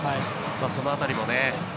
その辺りも。